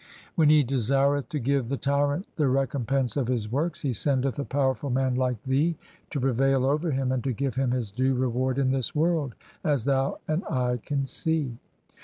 ' When He desireth to give the tyrant the recompense of his works, He sendeth a powerful man like thee to prevail over him, and to give him his due reward in this world: as thou and I can see.'